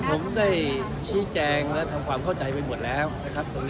ผมได้ชี้แจงและทำความเข้าใจไปหมดแล้วนะครับ